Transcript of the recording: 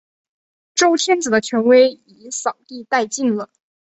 周天子的权威已扫地殆尽了。